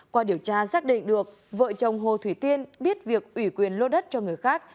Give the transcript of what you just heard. qua điều tra xác định được vợ chồng hồ thủy tiên biết việc ủy quyền lô đất cho người khác